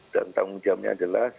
dan tanggung jamnya jelas